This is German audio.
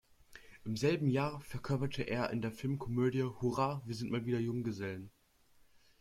Im selben Jahr verkörperte er in der Filmkomödie "Hurra, wir sind mal wieder Junggesellen!